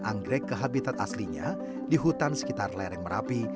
anggrek ke habitat aslinya di hutan sekitar lereng merapi